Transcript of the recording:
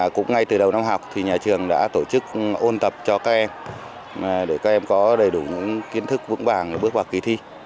cũng ngay từ đầu năm học nhà trường đã tổ chức ôn tập cho các em để các em có đầy đủ kiến thức vững vàng để bước vào ký thi